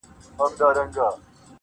هم یې کور هم انسانانو ته تلوار وو -